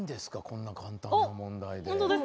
こんな簡単な問題で。